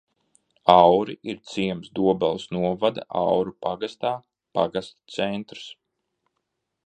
Auri ir ciems Dobeles novada Auru pagastā, pagasta centrs.